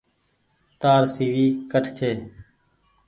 تآر سي وي ڪٺ ڇي۔